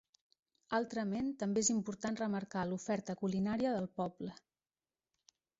Altrament també és important remarcar l'oferta culinària del poble.